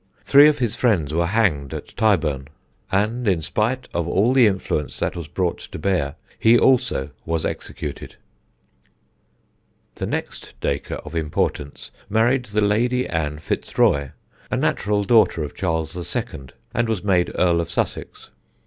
Three of his friends were hanged at Tyburn, and, in spite of all the influence that was brought to bear, he also was executed. The next Dacre of importance married the Lady Ann Fitzroy, a natural daughter of Charles II., and was made Earl of Sussex.